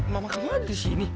mama kamu ada disini